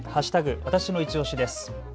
わたしのいちオシです。